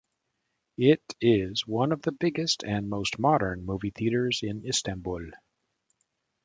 It is one of the biggest and most modern movie theatres in Istanbul.